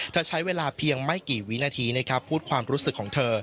ใช้เวลาเพียงไม่กี่วินาทีนะครับพูดความรู้สึกของเธอ